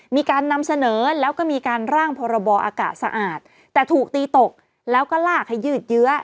มีการนำเสนอแล้วก็มีการร่างพรบอากาศสะอาดแต่ถูกตีตกแล้วก็ลากให้ยืดเยื้อ